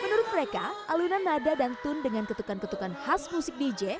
menurut mereka alunan nada dan tun dengan ketukan ketukan khas musik dj